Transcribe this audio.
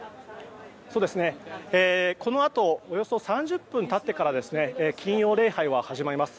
このあとおよそ３０分経ってから金曜礼拝は始まります。